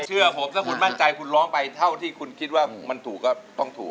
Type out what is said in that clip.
เชื่อผมถ้าคุณมั่นใจคุณร้องไปเท่าที่คุณคิดว่ามันถูกก็ต้องถูก